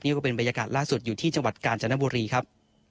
ก็เป็นบรรยากาศล่าสุดอยู่ที่จังหวัดกาญจนบุรีครับ